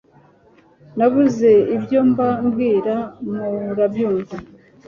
Nabuze ibyo mba bwira murabyumva